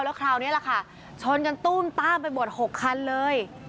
แล้วคราวนี้แหละค่ะชนกันตุ้มต้ามไปหมด๖คันเลย